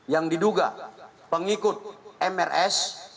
yang diduga pengikut mrs